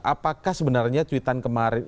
apakah sebenarnya cuitan kemarin